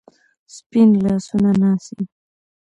سپین لاسونه ناڅي